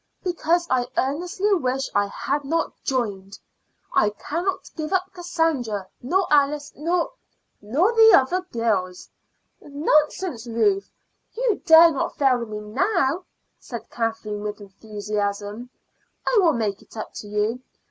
"Because I earnestly wish I had not joined. I cannot give up Cassandra, nor Alice, nor nor other girls." "Nonsense, Ruth! You dare not fail me now," said Kathleen, with enthusiasm. "I will make it up to you.